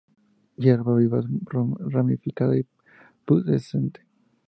Hierba vivaz ramificada y pubescente.